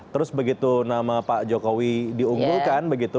terus begitu nama pak jokowi diunggulkan begitu